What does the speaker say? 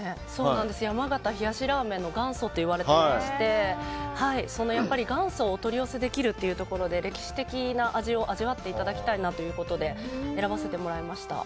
山形は冷やしラーメンの元祖といわれていまして、元祖をお取り寄せできるということで歴史的な味を味わっていただきたいなということで選ばせてもらいました。